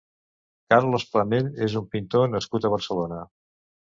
Carlos Planell és un pintor nascut a Barcelona.